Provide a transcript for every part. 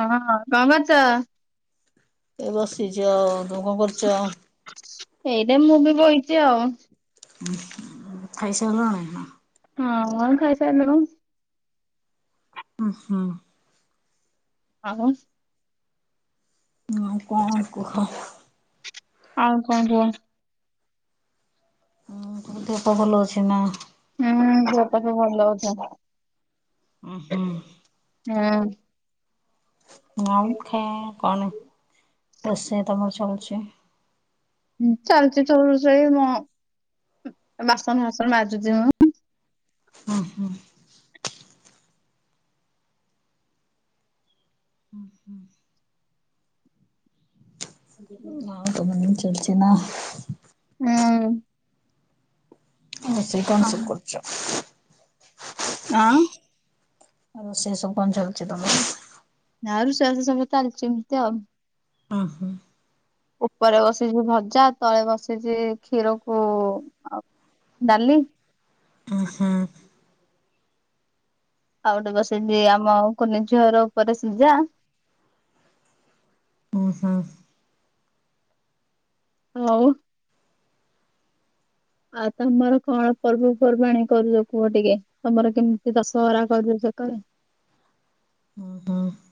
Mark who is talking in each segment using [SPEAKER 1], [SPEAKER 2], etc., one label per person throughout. [SPEAKER 1] ହଁ ହଁ କଣ କରୁଛ?
[SPEAKER 2] ଏ ବସିଛି ଆଉ ତୁ କଣ କରୁଛ?
[SPEAKER 1] ଏଇଟି ମୁଁ ବି ବଇଚି ଆଉ।
[SPEAKER 2] ଉ ହୁଁ ଖାଇସାରିଲନି ନା?
[SPEAKER 1] ହଁ ଖାଇସାରିଲନୁ।
[SPEAKER 2] ଓହୋ।
[SPEAKER 1] ଆଉ
[SPEAKER 2] ଆଉ କଣ କୁହ?
[SPEAKER 1] ଆଉ କଣ କୁହ?
[SPEAKER 2] ଉ ତୁମ ଦେହ ପା ଭଲ ଅଛିନା।
[SPEAKER 1] ହୁଁ ଦେହ ପା ଭଲ ସବୁ ଭଲ ଅଛି।
[SPEAKER 2] ଓ ହୋ।
[SPEAKER 1] ଆଉ
[SPEAKER 2] ଆଉ ଖାଇବ କଣ ରୋଷେଇ ତମର ଚାଲିଚି?
[SPEAKER 1] ଚାଲିଚି ସବୁ ରୋଷେଇ କଣ ବାସନ ଫାସନ ମାଜୁଛି ମୁଁ।
[SPEAKER 2] ଓ ହୋ। ହୁଁ ହୁଁ।
[SPEAKER 1] [inaudible]
[SPEAKER 2] ହଁ ତ ମନ ଚାଲିଛି ନା।
[SPEAKER 1] ହୁଁ।
[SPEAKER 2] ଆଉ ରୋଷେଇ କଣ
[SPEAKER 1] ଆଁ।
[SPEAKER 2] ସବୁ କରୁଛ?
[SPEAKER 1] ହଁ।
[SPEAKER 2] ଆଉ ସେ ସବୁ କଣ ଚାଲିଛି ତମର?
[SPEAKER 1] ନା ରୋଷେଇ ବାସ ସବୁ ଚାଲିଛି ଏମିତି ଆଉ।
[SPEAKER 2] ଓହୋ।
[SPEAKER 1] ଉପରେ ବସିଛି ଭଜା ତଳେ ବସିଛି କ୍ଷୀରକୁ ଆଉ ଡାଲି।
[SPEAKER 2] ଉ ହୁଁ।
[SPEAKER 1] ଆଉ ଗୋଟେ ବସିଚି ଆମ କୁନି ଝିଅର ଉପରେ ସିଝା।
[SPEAKER 2] ଉଁ ହୁଁ।
[SPEAKER 1] ହଉ। ଆଉ ତମର କଣ ପର୍ବପର୍ବାଣି କରୁଛ କୁହ ଟିକ? ତମର କେମିତି ଚାଷ ହରା କରଛ ସେକରେ?
[SPEAKER 2] [unintelligible]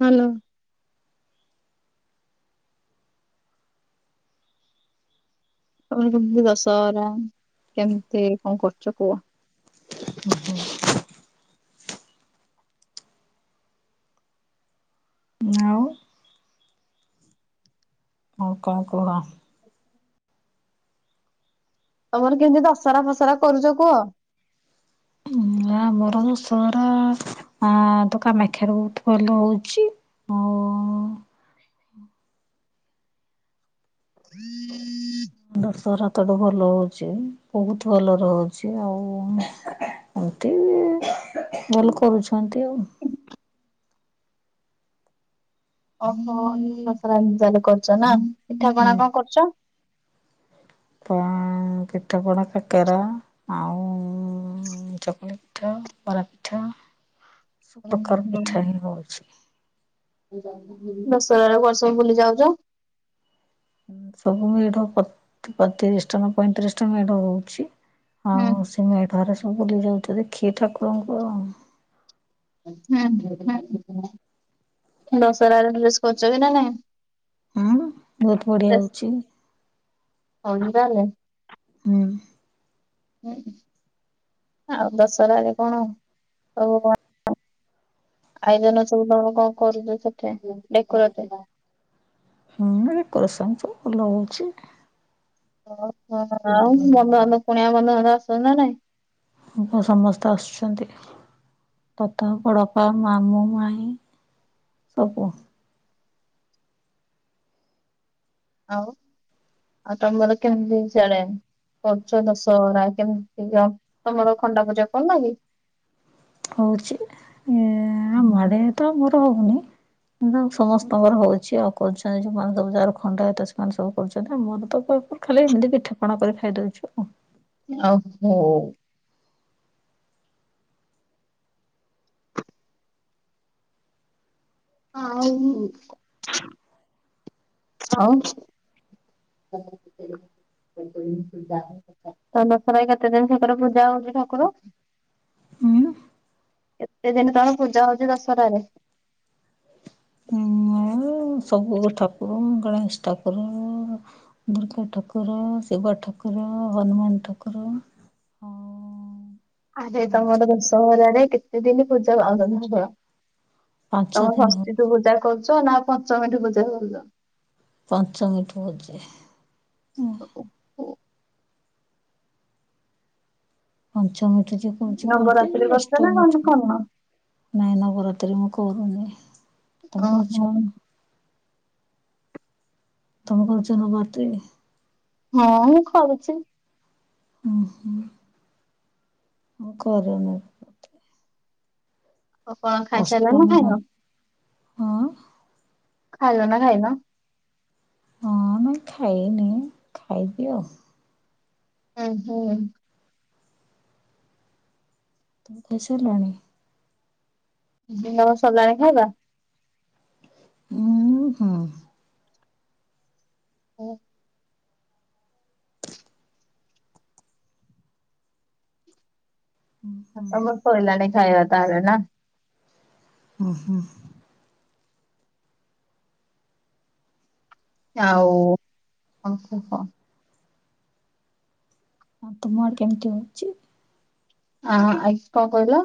[SPEAKER 1] ହ୍ୟାଲୋ। ତମେ କେମିତି ଦଶହରା କେମିତି କଣ କରୁଛ କୁହ।
[SPEAKER 2] ଆଉ। ହଉ କଣ କୁହ।
[SPEAKER 1] ତମର କେମିତି ଦଶରା ଫସରା କରୁଛ କୁହ।
[SPEAKER 2] ହ ମୋର ଦଷର ତ କାମାଖ ବହୁତ ଭଲ ହଉଛି। ଆଉ
[SPEAKER 1] ହୁଁ।
[SPEAKER 2] ଣ୍ଡଶର ହାତଟୁ ଭଲ ହଉଛି ବହୁତ ଭଲ ରହୁଛି ଆଉ। ଆଉତି ଭଲ କରୁଛନ୍ତି ଆଉ।
[SPEAKER 1] ଓହୋ ଦସରାତିଲି କରୁଛ ନା ପିଠା
[SPEAKER 2] ହୁଁ
[SPEAKER 1] ପଣା କଣ କରୁଛ?
[SPEAKER 2] [unintelligible] ପୀଠପଣା କକେରା। ଆଉ ଚକୁଳି ପିଠ ବରା ପିଠ।
[SPEAKER 1] ହ
[SPEAKER 2] ସୁ ପ୍ରକାର ବି ମିଠାଁ ହିଁ ହେଉଛି।
[SPEAKER 1] [unintelligible] ବୁଲି ଯାଉଛ
[SPEAKER 2] ସବୁ ମେଢ ତିରିଶ ଟା ନା ପଇଁତିରିଶ ଟା ମେଢ ହଉଛି
[SPEAKER 1] ହୁଁ
[SPEAKER 2] ଆଉ। ସେ ମେଢାରେ ସବୁ ବୁଲି ଯାଉଛ ଦେଖି ଠାକୁରଙ୍କୁ ଆଉ।
[SPEAKER 1] ଦଶହର ସ୍ କରଛ ବି ନା ନାଇଁ।
[SPEAKER 2] ହଁ ବହୁତ ବଢିଆ ହଉଛି।
[SPEAKER 1] ହଉନ ଜଲେ।
[SPEAKER 2] ହ।
[SPEAKER 1] ହୁଁ ଆଉ ଦଶରାରେରେ କଣ ଆଉ ଆଇଜନ ସବୁଣ କଣ କରୁଛ ସେଥିଡ
[SPEAKER 2] ହଁ କରସଙ୍ଗ ସବୁ ଲଉଛି।
[SPEAKER 1] ଓ ଆଉ ବନ୍ଧୁନ୍ଧ କୁଣିଆ ବନ୍ଧୁନ୍ଧ ଆସୁଛନ୍ତି ନା ନାଇଁ।
[SPEAKER 2] ସମସ୍ତେ ଆସୁଛନ୍ତି। ତତ ବଡ଼ପା ମାମୁଁ ମାଇ ସବୁ
[SPEAKER 1] ଆଉ ଆଉ ତମରକତି ସେଆଡ କରୁଛ ଦଶହରା କେମିତି ତମର ଖଣ୍ଡା ପୂଜା କରନ କି
[SPEAKER 2] ହଉଛି ଏ ମାଡେଆ ତ ଆମର ହଉନି। ସମସ୍ତଙ୍କର ହଉଛି ଆଉ କରୁଛନ୍ତି ଯଉମାନେ ଯାକ ଖଣ୍ଡାୟତ ସେମାନେ ସବୁ କରୁଛନ୍ତି ମୋର ତ କ ଖାଲି ଏମିତି ପିଠାପଣା କରି ଖାଇ ଦଉଛୁ।
[SPEAKER 1] ଓହୋ। [unintelligible] [unintelligible] [unintelligible]
[SPEAKER 2] ଆଉ
[SPEAKER 1] କେତେ ଦିନ ତମ ପୂଜା ହଉଛି ଦଶରା ରେ?
[SPEAKER 2] ଆଉ ସବୁ ଠାକୁର ଗଣେଶ ଠାକୁର। ଦୁର୍ଗା ଠାକୁର, ଶିବ ଠାକୁର, ହନୁମାନ ଠାକୁର। ଆଉ
[SPEAKER 1] ଆରେ ତମର
[SPEAKER 2] ସବୁ
[SPEAKER 1] ଦଶହରାରେ କେତେ ଦିନ ପୂଜା ପାଉଛନ୍ତି ଠାକୁର?
[SPEAKER 2] ପାଞ୍ଚ
[SPEAKER 1] ତମେ
[SPEAKER 2] ଦିନ
[SPEAKER 1] ଷଷ୍ଠୀଠୁ
[SPEAKER 2] ହଉଛି
[SPEAKER 1] ପୂଜା କରୁଛ ନା ପଞ୍ଚମୀଠୁ ପୂଜା କରୁଛ।
[SPEAKER 2] ପଞ୍ଚମୀ ଠୁ ହଉଚି। ପଞ୍ଚ ମିଠୁ ଯଏ କରୁଛି କରୁଛି
[SPEAKER 1] ନବରାତ୍ରି କରୁଛ ନା କଣ
[SPEAKER 2] ଅଷ୍ଟମିଠୁ
[SPEAKER 1] କରୁନ?
[SPEAKER 2] ନାଇଁ ନବ ରାତ୍ରି ମୁଁ କରନି।
[SPEAKER 1] ଓହୋ।
[SPEAKER 2] ତମ କରଛ ନ ବାତି।
[SPEAKER 1] ହଁ ମୁଁ କରୁଛି।
[SPEAKER 2] ହଁ ହଁ ମୁଁ କରେନି। [inaudible]
[SPEAKER 1] ଆଉ କଣ ଖାଇସାରିଲ ନା
[SPEAKER 2] ଅଷ୍ଟମି-
[SPEAKER 1] ଖାଇନ?
[SPEAKER 2] [inaudible]
[SPEAKER 1] ଖାଇଲ ନା ଖାଇନ?
[SPEAKER 2] ହଁ ମୁଁ ଖାଇନି ଖାଇବି ଆଉ।
[SPEAKER 1] ଉଁ ହୁଁ।
[SPEAKER 2] ତମେ ଖଇସାରିଲଣି?
[SPEAKER 1] ଦିନର ସରିଲାଣି ଖାଇବା?
[SPEAKER 2] ଉଁ ହୁଁ।
[SPEAKER 1] ଓ [unintelligible]
[SPEAKER 2] ହୁଁ।
[SPEAKER 1] ତମର ସଇଲାଣି ଖାଇବା ତାହେଲେ ନା?
[SPEAKER 2] ଓ ହୋ।
[SPEAKER 1] ଆଉ ଓହୋ। [unintelligible]
[SPEAKER 2] ଆଉ ତୁମ ଆଡେ କେମିତି ହଉଛି?
[SPEAKER 1] ହଁ ଆଇସ୍ କଣ କହିଲ?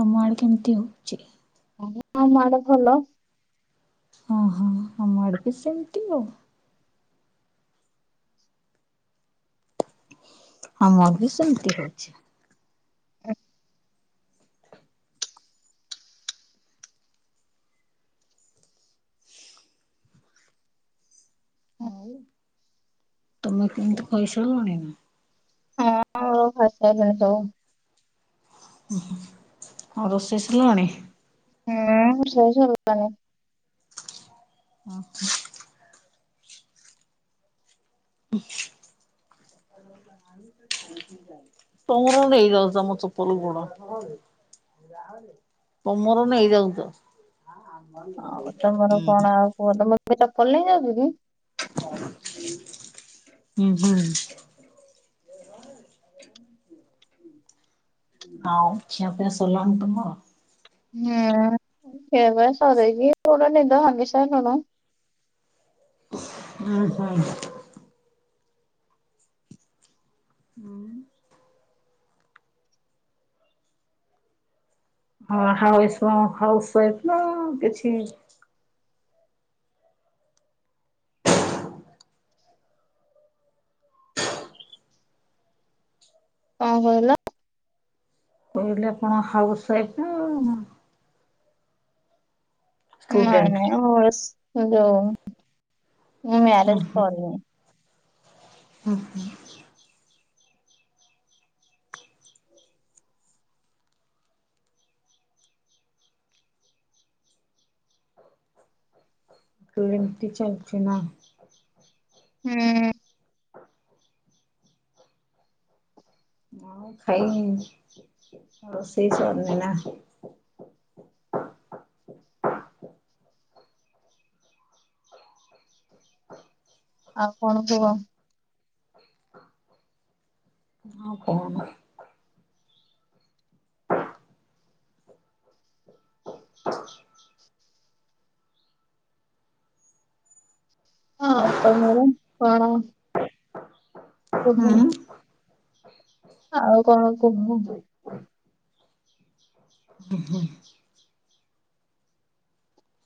[SPEAKER 2] ତମ ଆଡେ କେମିତି ହଉଛି?
[SPEAKER 1] ହଁ ଆମ ଆଡେ ଭଲ।
[SPEAKER 2] ହଁ ହଁ ଆମ ଆଡେ ବି ସେମିତି ଆଉ। ହଁ ମୋର ବି ସେମିତି ହଉଛି।
[SPEAKER 1] ହ [unintelligible]
[SPEAKER 2] ହଉ ତମେ କେମତି ଖଇସ ଲଣି ନା [inaudible]
[SPEAKER 1] ହଁ ଆଉ ଖାଇସାଇଲେଣି ସବୁ।
[SPEAKER 2] ଆଉ ରୋଷେଇ ସରିଲାଣି?
[SPEAKER 1] ହୁଁ ସେଇଷ ହାନି [inaudible]
[SPEAKER 2] ହ [inaudible] ଆ ତ ସି ଯ [inaudible] ତଙ୍ଗରୁଣ୍ଡ ହେଇଯାଉଛି ଆମ ଚୋପଲ ଗୋଡ [unintelligible] ତମର ନେଇ ନେଇଯାଉଛ।
[SPEAKER 1] ହୁ ତମ ଚପଲ ନେଇଁ ଯାଉଛ କି [unintelligible]
[SPEAKER 2] ହୁଁ ହୁଁ। ଆଉ ଖିଆ ପିଆ ସଲାଣି ତମର?
[SPEAKER 1] ହୁଁ ଖିଆପିଆ ସରିକି ପୁରା ନିଦ ଭାଙ୍ଗି ସାଇଲୁଣୁ।
[SPEAKER 2] ଉଁ ହୁଁ। ହୁଁ। ହଁ ହାଉସ୍ ହାଉସ୍ ୱାଇଫ ନା କିଛି
[SPEAKER 1] କଣ କହିଲ?
[SPEAKER 2] କହିଲେ କଣ ହାଉସ ୱାଇଫ ନା
[SPEAKER 1] ନାଇଁ
[SPEAKER 2] ଷ୍ଟୁଡେଣ୍ଟ?
[SPEAKER 1] ନାଇଁ ହସ୍ ଯୋଉ ମୁଁ
[SPEAKER 2] ହୁଁ
[SPEAKER 1] ମ୍ୟାରେଜ କରିନି।
[SPEAKER 2] ହୁଁ ହୁଁ। ତୁ ଏମତି ଚାଲିଛି [inaudible] ନା
[SPEAKER 1] ହୁଁ।
[SPEAKER 2] ଆଉ ଖାଇନି ରୋଷେଇ ସରିନି ନା?
[SPEAKER 1] ଆଉ କଣ କୁହ।
[SPEAKER 2] ହଁ କହୁନୁ।
[SPEAKER 1] ହଁ ଅ ମଡମ୍ କଣ [inaudible] କୁହ
[SPEAKER 2] ହୁଁ।
[SPEAKER 1] ଆଉ କଣ କହୁ
[SPEAKER 2] ହୁଁ ହୁଁ।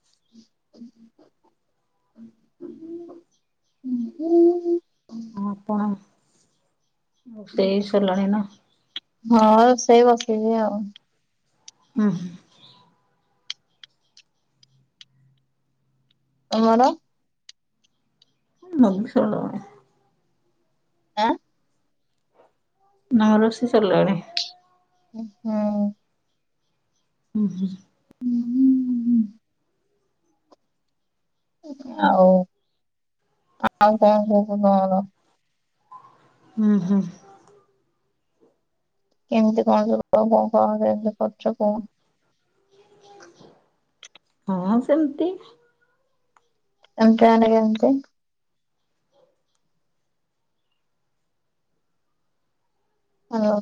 [SPEAKER 1] ହ ହ ହଁ ହ
[SPEAKER 2] ହଁ ଆପଣ ରୋଷେଇ ସରଲାଣିନା?
[SPEAKER 1] ହଁ ରୋଷେଇ ବସେଇଚି ଆଉ।
[SPEAKER 2] ଉଁହୁଁ।
[SPEAKER 1] ଆମର
[SPEAKER 2] ନଉଥୁଲ
[SPEAKER 1] ଆଁ?
[SPEAKER 2] ନା ରୋଷେଇ ସରଲାଣି।
[SPEAKER 1] ଅହଁ।
[SPEAKER 2] ଉଁହୁଁ।
[SPEAKER 1] ଉଁହୁଁଁ। ଆଉ ଆଉ କଣ କରୁଚନ୍ତି ଆପଣ।
[SPEAKER 2] ଉଁହୁଁ।
[SPEAKER 1] କେମିତି କଣ [unintelligible]
[SPEAKER 2] ହଁ ସେମତି।
[SPEAKER 1] ଏମତି ଆନେ କେମତି ହାଲୋ।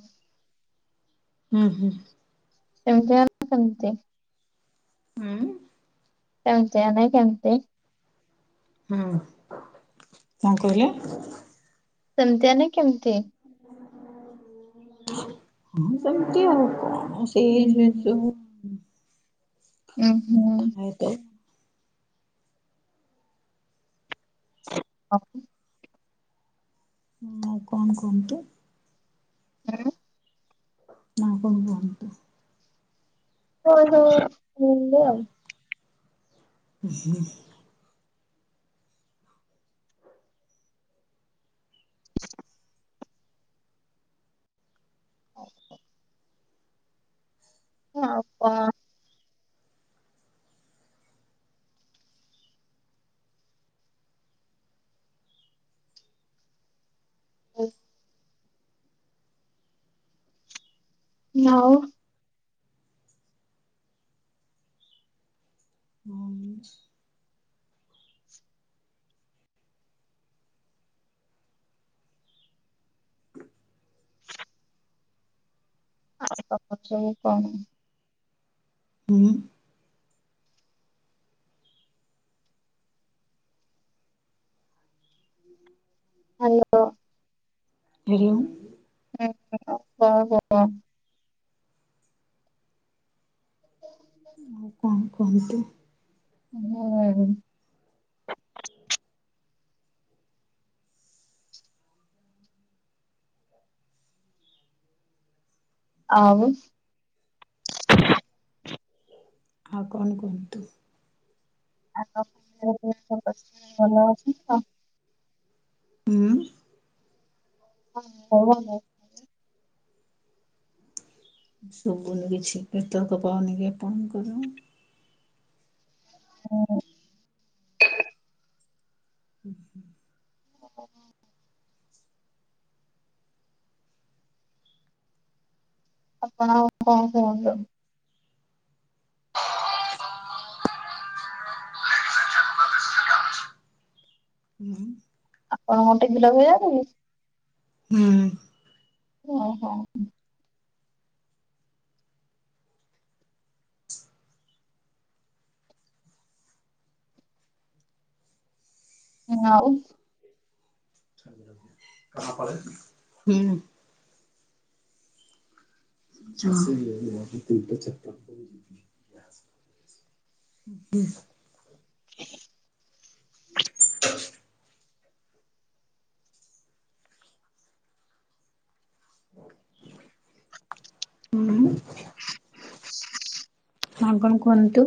[SPEAKER 2] ଉଁହୁଁ।
[SPEAKER 1] ସେମତି ହେଲା ସେମତି।
[SPEAKER 2] ଉଁ?
[SPEAKER 1] କେମତିଆ ନାଇଁ କେମତି।
[SPEAKER 2] ହୁଁ କଣ କହିଲେ?
[SPEAKER 1] ସେମିତି ମାନେ କେମିତି?
[SPEAKER 2] ହଁ ସେମମି ଆଉ କଣ ସେଇ ସେସବୁ ହୁଁ ଥାଏତ
[SPEAKER 1] ଆହ୍ ଉ
[SPEAKER 2] ହୁଁ ଆଉ କଣ କୁହନ୍ତୁ?
[SPEAKER 1] ଉଁ?
[SPEAKER 2] ନା କଣ କହୁନ।
[SPEAKER 1] ଓହୋ [unintelligible] ଆଉ।
[SPEAKER 2] ଉଁହୁଁ।
[SPEAKER 1] ଓଉ ନା ଆଉ କଣ? ହଉ। ନଉ
[SPEAKER 2] ଉଁ।
[SPEAKER 1] ଆଉ [inaudible] ସବୁ କଣ?
[SPEAKER 2] ହୁଁ।
[SPEAKER 1] ହାଲୋ।
[SPEAKER 2] ହରି ଓମ୍।
[SPEAKER 1] ହୁଁ ଆ ଆଉ କଁ?
[SPEAKER 2] ଆଉ କଣ କୁହନ୍ତୁ?
[SPEAKER 1] ମୁଁ [unintelligible] ଆଉ?
[SPEAKER 2] ଆଉ କଣ କୁହନ୍ତୁ।
[SPEAKER 1] [unintelligible]
[SPEAKER 2] ହୁଁ?
[SPEAKER 1] [unintelligible]
[SPEAKER 2] ସୁବୁନି କିଛି ନେଟୁଆର୍କ ପାଉନି କି ଆପଣଙ୍କ ର?
[SPEAKER 1] ହଁ ହଁ ଆପଣ ଆଉ କଣ କୁହନ୍ତୁ? ଟିଭି ଲଗେଇବାନି କି?
[SPEAKER 2] ହୁଁ
[SPEAKER 1] ଓ ହଁ ହୁଁ। ଆଉ
[SPEAKER 2] [unintelligible] ହୁଁ। [unintelligible] ତିନଟା ଚାରିଟା ହୁଁ ଆଉ କଣ କୁହନ୍ତୁ।